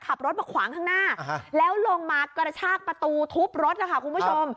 ขับรถมาขวางข้างหน้าแล้วลงมากระชากประตูทุบรถนะคะคุณผู้ชม